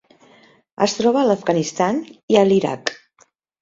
Es troba a l'Afganistan i a l'Iraq.